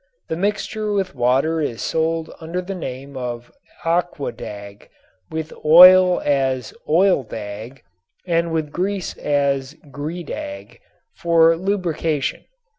The mixture with water is sold under the name of "aquadag," with oil as "oildag" and with grease as "gredag," for lubrication.